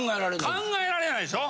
考えられないでしょ。